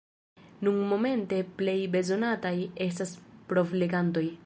Nunmomente plej bezonataj estas provlegantoj.